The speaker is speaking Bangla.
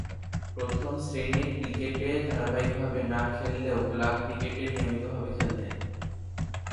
প্রথম-শ্রেণীর ক্রিকেটে ধারাবাহিকভাবে না খেললেও ক্লাব ক্রিকেটে নিয়মিতভাবে খেলতেন।